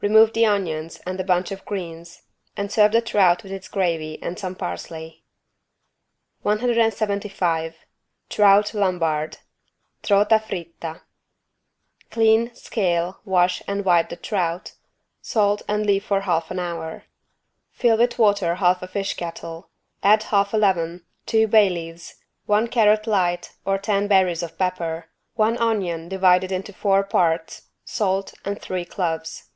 Remove the onions and the bunch of greens and serve the trout with its gravy and some parsley. 175 TROUT LOMBARD (Trota fritta) Clean, scale, wash and wipe the trout. Salt and leave for half an hour. Fill with water half a fish kettle; add half a lemon, two bay leaves, one carrot light or ten berries of pepper, one onion divided into four parts, salt and three cloves.